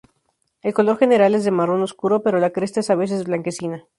El color general es de marrón oscuro, pero la cresta es a veces blanquecina.